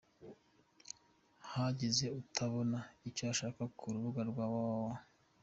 Hagize utabona icyo ashaka ku rubuga rwa www.